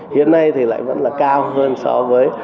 hiện nay thì lại vẫn là cao hơn so với